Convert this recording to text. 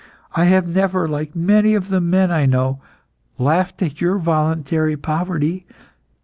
I have never, like many of the men I know, laughed at your voluntary poverty.